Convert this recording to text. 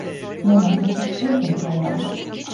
Но модмашышт ӧкым кая.